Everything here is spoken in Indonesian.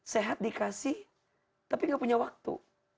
sehat dikasih tapi gak punya waktu